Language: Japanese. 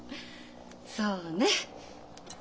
そうね。